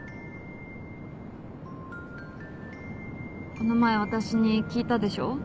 この前私に聞いたでしょ？